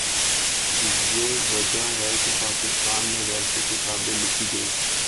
یہی وجہ ہے کہ پاکستان میں ویسی کتابیں لکھی گئیں۔